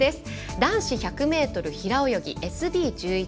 男子１００ｍ平泳ぎＳＢ１１。